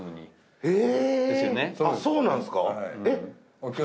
そうなんですか？